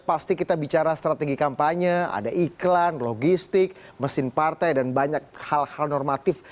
pasti kita bicara strategi kampanye ada iklan logistik mesin partai dan banyak hal hal normatif